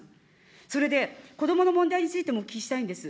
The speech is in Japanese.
それで、子どもの問題についても、お聞きしたいんです。